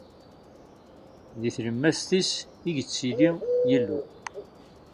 Di tlemmast-is i yettili Yillu.